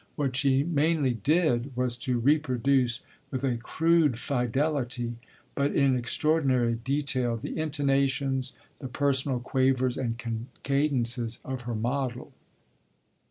What she mainly did was to reproduce with a crude fidelity, but in extraordinary detail, the intonations, the personal quavers and cadences of her model.